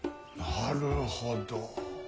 なるほど。